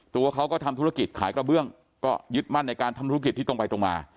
ตัวเขาก็ทำธุรกิจขายกระเบื้องก็ยึดมั่นในการทำธุรกิจที่ตรงไปตรงมา